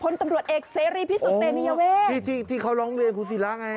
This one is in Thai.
ผลตำรวจเอกเสรีพิสุทธิ์เต๋มิเยาวีทโอ้ที่เขาลองเครียญคุณสิระไง